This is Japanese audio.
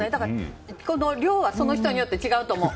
量はその人によって違うと思う。